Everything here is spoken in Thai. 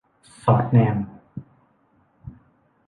สอดแนม